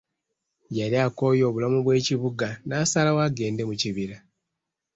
Yali akooye obulamu bw'ekibuga n'asalawo agende mu kibira.